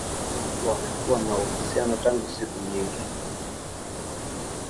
Wamekuwa na uhusiano tangu siku nyingi